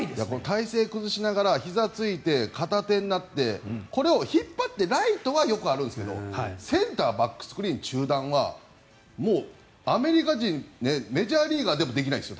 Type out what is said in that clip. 体勢を崩しながらひざを突いて、片手になってこれを引っ張ってライトはよくあるんですけどセンターバックスクリーン中段はもうアメリカ人メジャーリーガーでもできないですよ